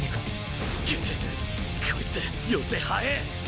こいつ寄せ速え！